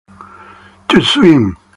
Just swim.